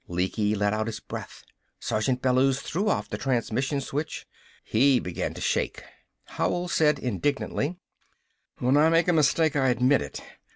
Lecky let out his breath. Sergeant Bellews threw off the transmission switch. He began to shake. Howell said indignantly: "When I make a mistake, I admit it!